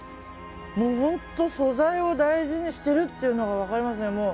もう本当に素材を大事にしているっていうのが分かりますね。